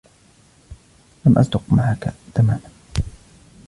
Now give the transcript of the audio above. لم أصدُق معك تماما.